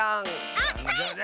あっはい！